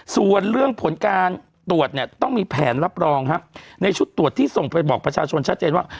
ส่วนเรื่องผลการตรวจเนี่ยต้องมีแผนรับรองครับในชุดตรวจที่ส่งไปบอกประชาชนชัดเจนว่า